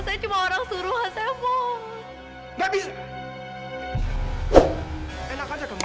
saya cuma orang suruh saya mohon